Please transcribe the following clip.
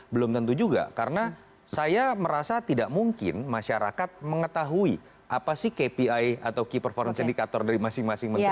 belum tentu juga karena saya merasa tidak mungkin masyarakat mengetahui apa sih kpi atau key performance indicator dari masing masing menteri